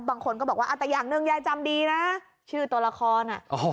บางคนก็บอกว่าแต่อย่างหนึ่งยายจำดีนะชื่อตัวละคร